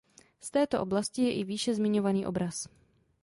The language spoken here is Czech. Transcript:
Z této oblasti je i výše zmiňovaný obraz.